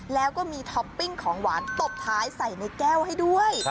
แล้วก็มีท็อปปิ้งของหวานตบท้ายใส่ในแก้วให้ด้วย